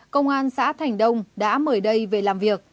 công an xã thành đông đã mời đây về làm việc